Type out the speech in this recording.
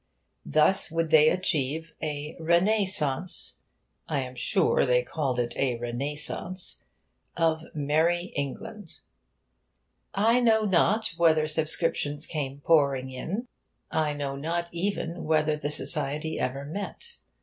Thus would they achieve a renascence I am sure they called it a renascence of 'Merrie England.' I know not whether subscriptions came pouring in. I know not even whether the society ever met.